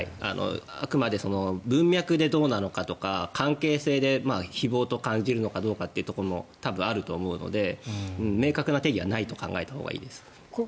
あくまで文脈でどうなのかとか関係性で誹謗と感じるのかどうかというところも多分あると思うので明確な定義はないと考えたほうがいいです。